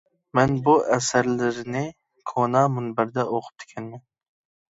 مەن بۇ ئەسەرلىرىنى كونا مۇنبەردە ئوقۇپتىكەنمەن.